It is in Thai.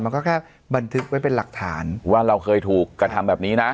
มันก็แค่บันทึกไว้เป็นหลักฐานว่าเราเคยถูกกระทำแบบนี้นะ